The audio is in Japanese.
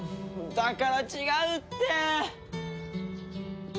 だから違うって！